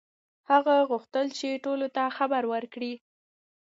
هغه غوښتل چې ټولو ته خبر وکړي.